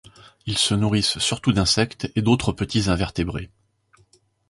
Ils se nourrissent surtout d'insectes et d'autres petits invertébrés.